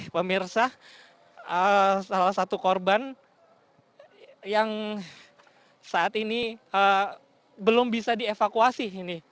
pemirsa salah satu korban yang saat ini belum bisa dievakuasi